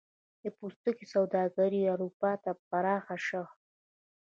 د پوستکي سوداګري اروپا ته پراخه شوه.